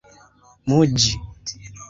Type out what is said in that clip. muĝi